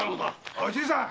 おいじいさん！